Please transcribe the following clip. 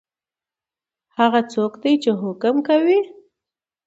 هغه څوک دی چی حکم کوي؟